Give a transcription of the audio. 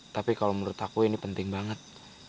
tapi kalau menurut aku ini penting banget